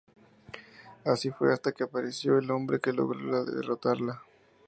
Así fue hasta que apareció el hombre que logró derrotarla.